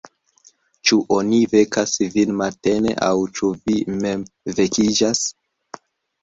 Ĉu oni vekas vin matene, aŭ ĉu vi mem vekiĝas?